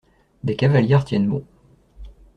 Des cavalières tiennent bon.